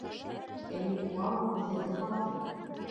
Әле уға ла үҫәһе бар бит